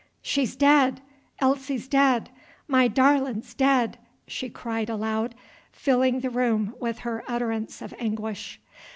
"She 's dead! Elsie 's dead! My darlin 's dead!" she cried aloud, filling the room with her utterance of anguish.